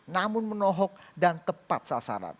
namun menohok dan tepat sasaran